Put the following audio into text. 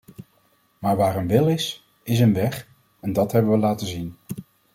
Maar waar een wil is, is een weg, en dat hebben we laten zien.